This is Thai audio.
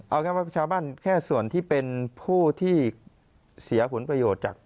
เอาแค่ว่าชาวบ้านแค่ส่วนที่เป็นผู้ที่เสียผลประโยชน์จาก